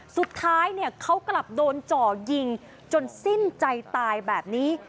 สุดท้ายเขากลับโดนจ่อยิงจนสิ้นใจตายแบบนี้